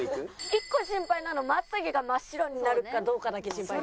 １個心配なのまつ毛が真っ白になるかどうかだけ心配ですね。